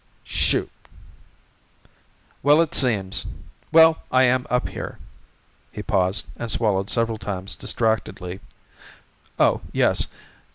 "Shoot!" "Well it seems well, I am up here " He paused and swallowed several times distractedly. "Oh, yes.